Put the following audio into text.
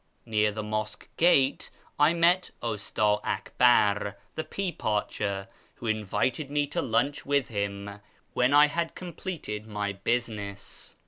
Near the Mosque gate I met Ustti Akbar, the pea parcher, who invited me to lunch with him when I had completed my business.